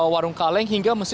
warung kaleng hingga mesir